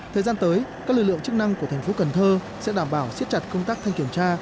thời gian tới các lực lượng chức năng của tp cn sẽ đảm bảo siết chặt công tác thanh kiểm tra